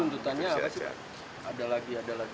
hanya ada lagi sampai sekarang